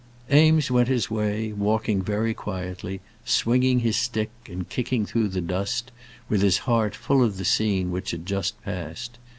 Eames went on his way, walking very quietly, swinging his stick and kicking through the dust, with his heart full of the scene which had just passed.